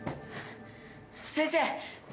先生。